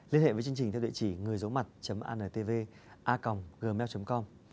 liên hệ với chương trình theo địa chỉ ngườidấumặt antv a gmail com